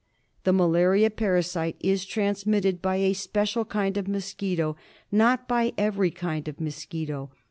The malaria parasite is transmitted by a special kind of mosquito; not by every kind of mosquito.